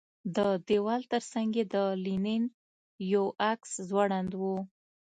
د دېوال ترڅنګ یې د لینن یو عکس ځوړند و